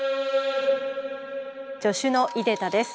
助手の出田です。